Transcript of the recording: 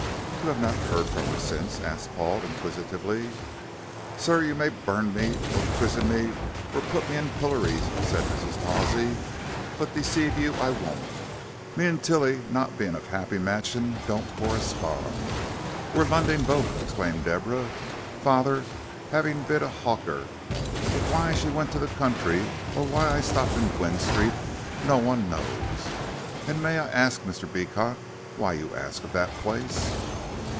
"You have not heard from her since?" asked Paul, inquisitively. "Sir, you may burn me or prison me or put me in pillaries," said Mrs. Tawsey, "but deceive you I won't. Me an' Tilly not bein' of 'appy matchin' don't correspond. We're Londing both," exclaimed Deborah, "father 'avin' bin a 'awker, but why she went to the country, or why I stopped in Gwynne Street, no one knows. And may I arsk, Mr. Beecot, why you arsk of that place?"